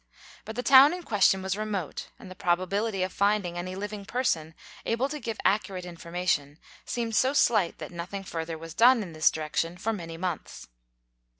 But the town in question was remote and the probability of finding any living person able to give accurate information seemed so slight that nothing further was done in this direction for many months.